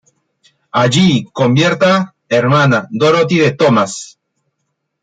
Allí convierta hermana Dorothy de Thomas.